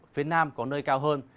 phía nam có nơi cao hơn